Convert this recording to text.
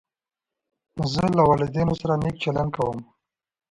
زه له والدینو سره نېک چلند کوم.